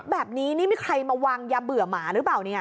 แบบนี้นี่มีใครมาวางยาเบื่อหมาหรือเปล่าเนี่ย